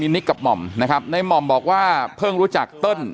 นิกกับหม่อมนะครับในหม่อมบอกว่าเพิ่งรู้จักเติ้ล